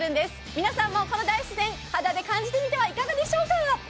皆さんもこの大自然、肌で感じてみてはいかがでしょうか。